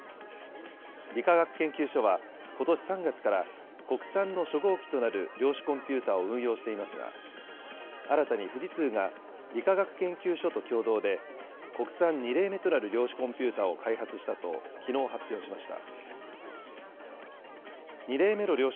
理化学研究所はことし３月から、国産の初号機となる量子コンピューターを運用していますが、新たに富士通が理化学研究所と共同で、国産２例目となる量子コンピューターを開発したと、きのう発表しました。